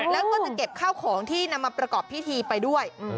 แล้วก็จะเก็บข้าวของที่นำมาประกอบพิธีไปด้วย